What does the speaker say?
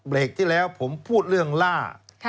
ที่แล้วผมพูดเรื่องล่า